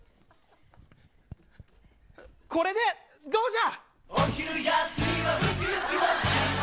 これで、どうじゃ。